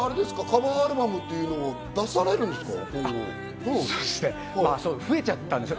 カバーアルバムを出されるんですか？